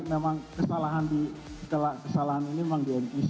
memang kesalahan ini memang di ntc